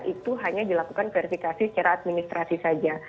itu hanya dilakukan verifikasi secara administrasi saja